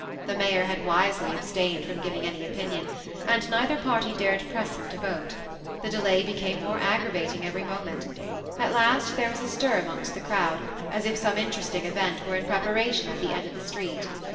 The mayor had wisely abstained from giving any opinion, and neither party dared press him to vote: the delay became more aggravating every moment ; at last, there was a stir amongst the crowd as if some interesting event were in preparation at the end of the street.